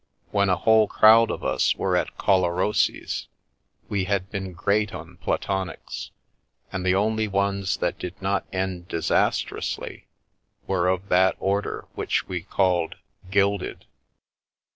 When a whole crowd of us were at Collarossi's we had been great on platonics, and the only ones that did not end disastrously were of that order which we called "gilded."